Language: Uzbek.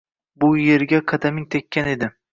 Bu yerga qadaming tekkan edi